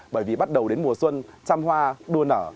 bởi vì bắt đầu đến mùa xuân trăm hoa đua nở